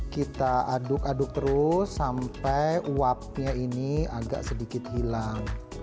kita aduk aduk terus sampai uapnya ini agak sedikit hilang